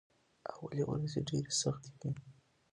اولې ورځې ډېرې سختې وې.